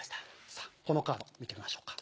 さぁこのカード見てみましょうか。